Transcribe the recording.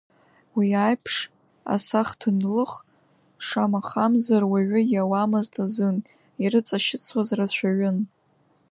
Уи аиԥш асахҭан лых, шамахамзар, уаҩы иауамызт азын, ирыҵашьыцуаз рацәаҩын.